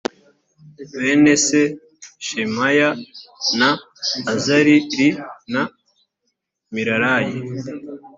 bene se shemaya na azar li na milalayi